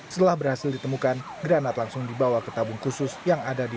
setelah berhasil ditemukan granat langsung dibawa ke tabung khusus yang ada di